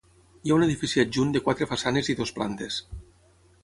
Hi ha un edifici adjunt de quatre façanes i dues plantes.